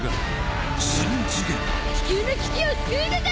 地球の危機を救うのだ！